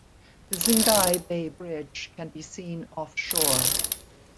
The Xinghai Bay Bridge can be seen offshore.